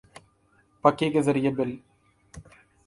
پھکی کے زریعے بل